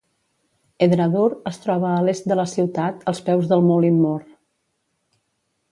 Edradour es troba a l'est de la ciutat als peus del Moulin Moor.